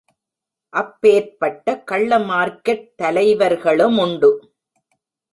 அப்பேற்பட்ட கள்ளமார்கெட் தலைவர்களுமுண்டு.